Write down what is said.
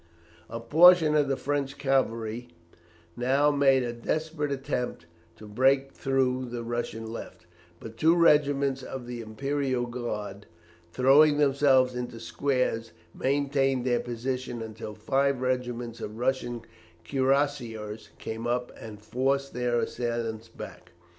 A portion of the French cavalry now made a desperate attempt to break through the Russian left, but two regiments of the Imperial Guard, throwing themselves into squares, maintained their position until five regiments of Russian cuirassiers came up and forced their assailants back.